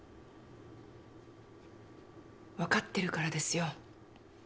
分かってるからですよ。